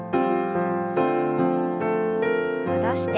戻して。